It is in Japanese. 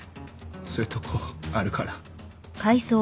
そういうとこあるから。